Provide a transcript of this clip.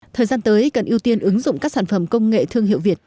thời gian tới cần ưu tiên ứng dụng các sản phẩm công nghệ thương hiệu việt